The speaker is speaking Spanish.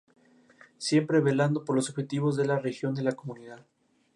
Siempre velando por los objetivos de la región y de la comunidad.